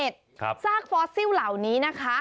ซากฟอสซิลเหล่านี้นะคะ